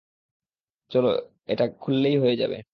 চলো, এটা খুললেই হয়ে যাবে।